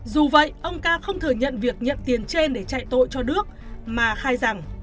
dù vậy ông ca không thừa nhận việc nhận tiền trên để chạy tội cho đước mà khai rằng